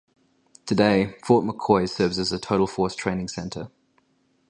Today, Fort McCoy serves as a Total Force Training Center.